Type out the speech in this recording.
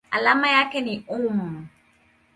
Alama yake ni µm.